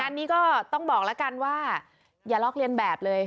อันนี้ก็ต้องบอกแล้วกันว่าอย่าลอกเรียนแบบเลย